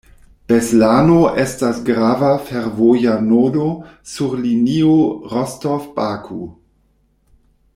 Beslano estas grava fervoja nodo sur linio Rostov—Baku.